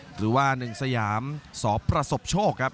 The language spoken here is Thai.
หรือว่าหนึ่งสยามสประสบโชคครับ